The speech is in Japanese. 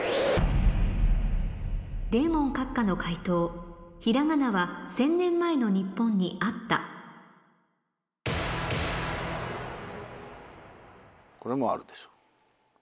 デーモン閣下の解答ひらがなは１０００年前の日本にあったこれもあるでしょう。